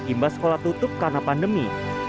imbas sekolah tutup karena pandemi